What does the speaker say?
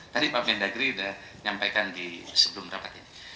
tadi pak mendagri sudah nyampaikan di sebelum rapat ini